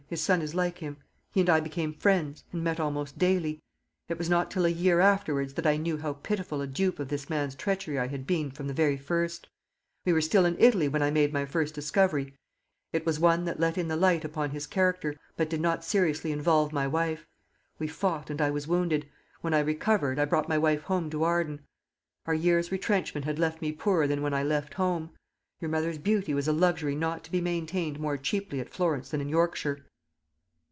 His son is like him. He and I became friends, and met almost daily. It was not till a year afterwards that I knew how pitiful a dupe of this man's treachery I had been from the very first. We were still in Italy when I made my first discovery; it was one that let in the light upon his character, but did not seriously involve my wife. We fought, and I was wounded. When I recovered, I brought my wife home to Arden. Our year's retrenchment had left me poorer than when I left home. Your mother's beauty was a luxury not to be maintained more cheaply at Florence than in Yorkshire."